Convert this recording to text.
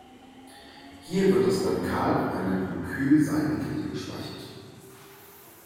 Hier wird das Radikal auf einer Glycyl-Seitenkette gespeichert.